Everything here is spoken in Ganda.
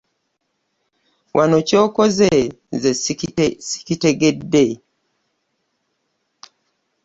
Wano ky'okoze nze ssikitegedde.